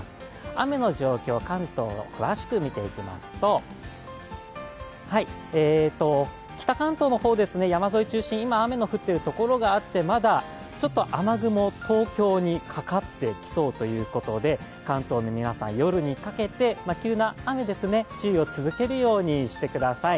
雨の状況、関東を詳しく見ていきますと、北関東のほう、山沿い中心に雨が降っているところがあってまだちょっと雨雲、東京にかかってきそうということで、関東の皆さん、夜にかけて急な雨に注意を続けるようにしてください。